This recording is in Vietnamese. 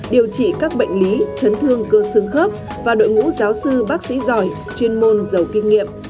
điều trị các bệnh lý chấn thương cơ xương khớp và đội ngũ giáo sư bác sĩ giỏi chuyên môn giàu kinh nghiệm